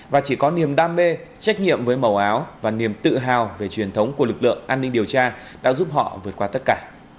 và chỉ có niềm đam mê trách nhiệm với màu áo và niềm tự hào về truyền thống của lực lượng an ninh điều tra đã giúp họ vượt qua tất cả